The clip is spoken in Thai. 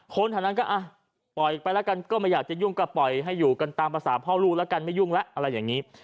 คนแถวนั้นก็อ่ะปล่อยไปแล้วกันก็ไม่อยากจะยุ่งก็ปล่อยให้อยู่กันตามภาษาพ่อลูกแล้วกันไม่ยุ่งแล้วอะไรอย่างนี้